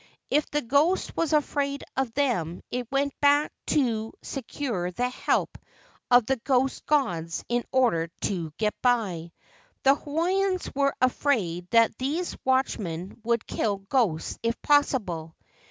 If the ghost was afraid of them it went back to secure the help of the ghost gods in order to get by. The Hawaiians were afraid that these watchmen would kill ghosts if possible.